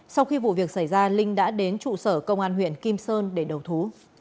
sau khi vụ việc xảy ra linh đã đến trụ sở công an huyện kim sơn để đầu thú